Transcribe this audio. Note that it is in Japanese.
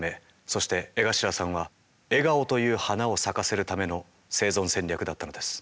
そして江頭さんは笑顔という花を咲かせるための生存戦略だったのです。